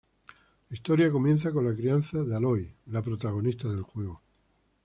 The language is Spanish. La historia comienza con la crianza de Aloy, la protagonista del juego.